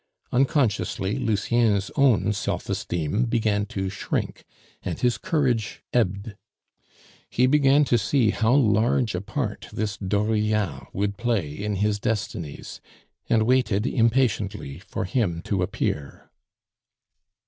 Unconsciously Lucien's own self esteem began to shrink, and his courage ebbed. He began to see how large a part this Dauriat would play in his destinies, and waited impatiently for him to appear.